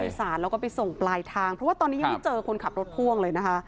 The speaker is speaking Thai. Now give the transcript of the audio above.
สารแล้วก็ไปส่งปลายทางเพราะว่าตอนนี้ยังไม่เจอคนขับรถพ่วงเลยนะคะ